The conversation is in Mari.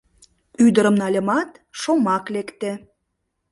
Ӱдырым нальымат, шомак лекте.